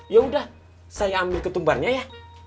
yaudah saya ambil ketumbarnya ya